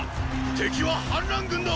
敵は反乱軍だ！